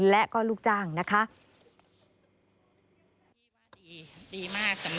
และก็ลูกจ้างนะคะ